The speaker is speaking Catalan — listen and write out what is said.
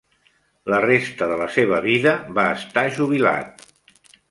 La resta de la seva vida va estar jubilat.